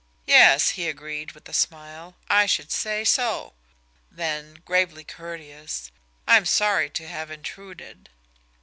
"Yes," he agreed, with a smile. "I should say so." Then, gravely courteous: "I'm sorry to have intruded."